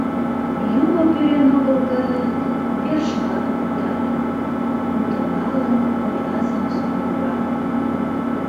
Юмо пӱрен огыл гын, першылат ок утаре... — утым налын ойла Самсон кува.